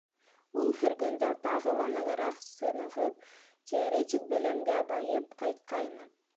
Ул һөргөндә тағы ла нығыраҡ сынығып, теоретик белемгә байып ҡайтҡайны.